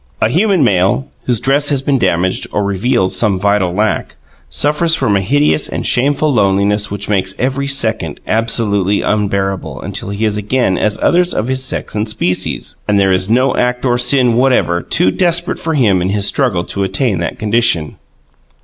A human male whose dress has been damaged, or reveals some vital lack, suffers from a hideous and shameful loneliness which makes every second absolutely unbearable until he is again as others of his sex and species; and there is no act or sin whatever too desperate for him in his struggle to attain that condition.